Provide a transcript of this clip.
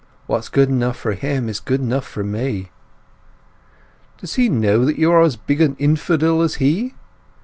What's good enough for him is good enough for me." "Does he know that you are as big an infidel as he?"